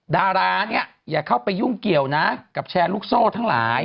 ดาราเนี่ยอย่าเข้าไปยุ่งเกี่ยวนะกับแชร์ลูกโซ่ทั้งหลาย